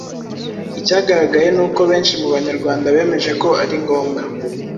icyagaragaye ni uko benshi mu Banyarwanda bemeje ko ari ngombwa